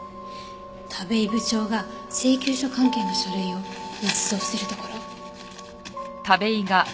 田部井部長が請求書関係の書類を捏造してるところ。